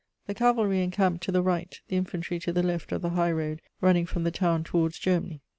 The cavalry encamped to the right, the infantry to the left of the high road running from the town towards Germany.